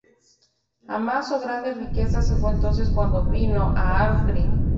Amasó grandes riquezas y fue entonces cuando vino a Acre"".